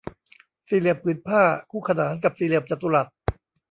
สี่เหลี่ยมผืนผ้าคู่ขนานกับสี่เหลี่ยมจัตุรัส